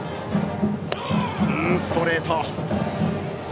ストレート。